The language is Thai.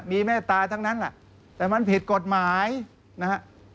มีเมตตาทั้งนั้นแหละแต่มันผิดกฎหมายนะฮะ